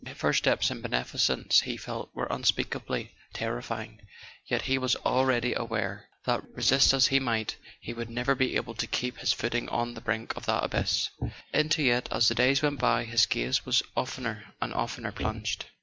First steps in beneficence, he felt, were un¬ speakably terrifying; yet he was already aware that, [ 172 ] A SON AT THE FRONT resist as lie might, he would never be able to keep his footing on the brink of that abyss. Into it, as the days went by, his gaze was oftener and oftener plunged.